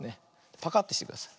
パカッてしてください。